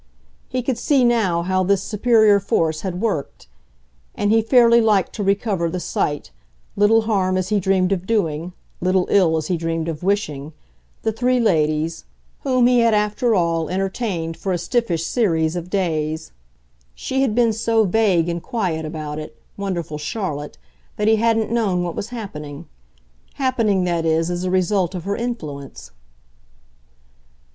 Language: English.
He could see now how this superior force had worked, and he fairly liked to recover the sight little harm as he dreamed of doing, little ill as he dreamed of wishing, the three ladies, whom he had after all entertained for a stiffish series of days. She had been so vague and quiet about it, wonderful Charlotte, that he hadn't known what was happening happening, that is, as a result of her influence.